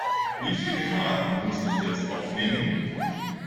Wie viele Karten muss ich jetzt aufnehmen?